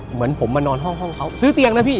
เหมือนผมมานอนห้องเขาซื้อเตียงนะพี่